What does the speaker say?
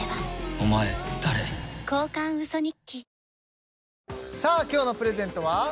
「ビオレ」さあ今日のプレゼントは？